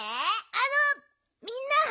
あのみんな。